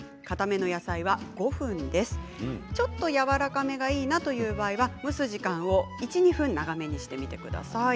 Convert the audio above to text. ちょっとやわらかめがいいなという場合は蒸す時間を１、２分長めにしてみてください。